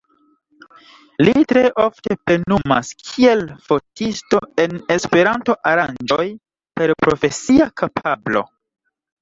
Li tre ofte plenumas kiel fotisto en Esperanto aranĝoj per profesia kapablo.